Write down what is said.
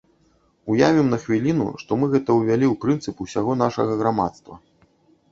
Уявім на хвіліну, што мы гэта ўвялі ў прынцып усяго нашага грамадства.